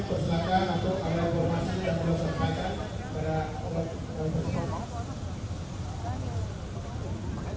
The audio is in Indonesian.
persilakan atau ada informasi yang boleh disampaikan kepada obat obat tersebut